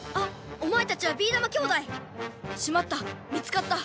おまえたちはビーだま兄弟！しまった見つかった！